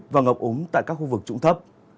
và ngọc úng tại các khu vực trụng thấp